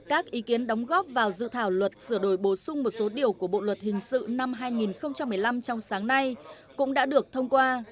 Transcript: các ý kiến đóng góp vào dự thảo luật sửa đổi bổ sung một số điều của bộ luật hình sự năm hai nghìn một mươi năm trong sáng nay cũng đã được thông qua